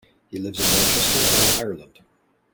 He lives in Manchester and Ireland.